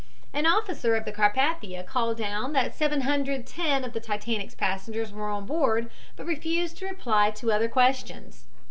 An officer of the Carpathia called down that 710 of the Titanic's passengers were on board, but refused to reply to other questions.